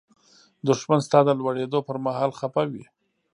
دښمن ستا د لوړېدو پر مهال خپه وي